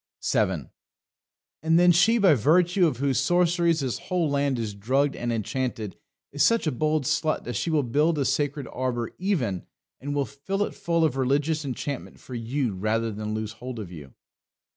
7. And then she, by virtue of whose sorceries this whole land is drugged and enchanted, is such a bold slut that she will build a Sacred Arbour even, and will fill it full of religious enchantment for you rather than lose hold of you.